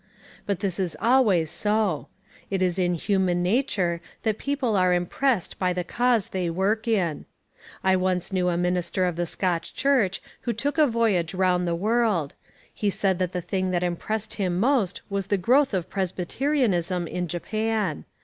But this is always so. It is in human nature that people are impressed by the cause they work in. I once knew a minister of the Scotch Church who took a voyage round the world: he said that the thing that impressed him most was the growth of presbyterianism in Japan.